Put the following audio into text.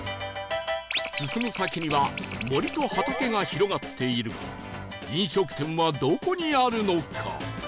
進む先には森と畑が広がっているが飲食店はどこにあるのか？